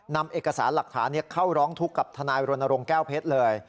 นำเอกสารหลักฐานเข้าร้องทุกข์กับทนายรณรงค์แก้วเพชรเลย